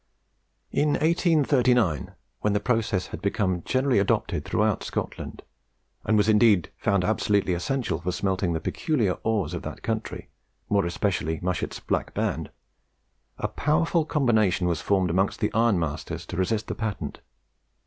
In 1839, when the process had become generally adopted throughout Scotland, and, indeed, was found absolutely essential for smelting the peculiar ores of that country more especially Mushet's Black Band a powerful combination was formed amongst the ironmasters to resist the patent.